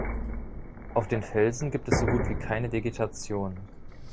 Auf den Felsen gibt es so gut wie keine Vegetation.